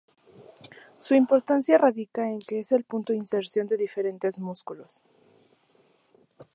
Su importancia radica en que es el punto de inserción de diferentes músculos.